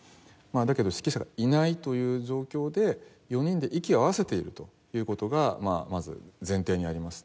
まあだけど指揮者がいないという状況で４人で息を合わせているという事がまず前提にあります。